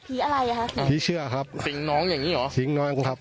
อะไรอ่ะคะผีเชื่อครับสิงน้องอย่างนี้เหรอสิงน้องครับ